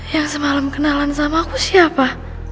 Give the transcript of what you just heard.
yang semalam kenalan sama aku siapa